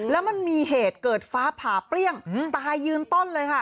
แล้วมันมีเหตุเกิดฟ้าผ่าเปรี้ยงตายยืนต้นเลยค่ะ